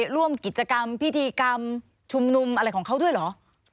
ร่วมกิจกรรมพิธีกรรมชุมนุมอะไรของเขาด้วยเหรอ